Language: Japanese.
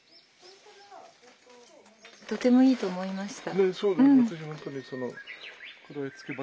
とてもいいと思いました。